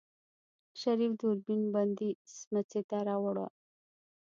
شريف دوربين بندې سمڅې ته واړوه.